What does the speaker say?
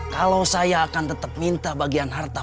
kalau saya akan tetap minta bagian harta